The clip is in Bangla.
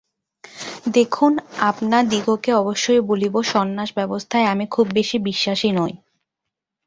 দেখুন, আপনাদিগকে অবশ্যই বলিব সন্ন্যাস-ব্যবস্থায় আমি খুব বেশী বিশ্বাসী নই।